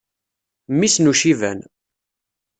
Mmi-s n uciban.